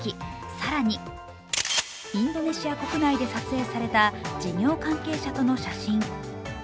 更にインドネシア国内で撮影された事業関係者との写真。